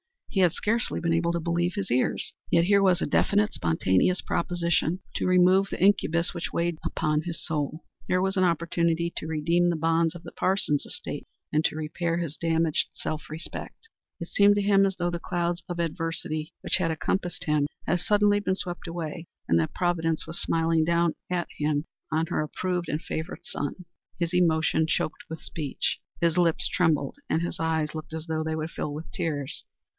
He had scarcely been able to believe his ears. Yet here was a definite, spontaneous proposition to remove the incubus which weighed upon his soul. Here was an opportunity to redeem the bonds of the Parsons estate and to repair his damaged self respect. It seemed to him as though the clouds of adversity which had encompassed him had suddenly been swept away, and that Providence was smiling down at him as her approved and favorite son. His emotion choked his speech. His lip trembled and his eyes looked as though they would fill with tears.